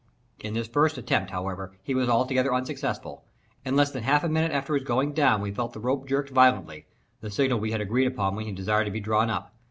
In this first attempt, however, he was altogether unsuccessful. In less than half a minute after his going down we felt the rope jerked violently (the signal we had agreed upon when he desired to be drawn up).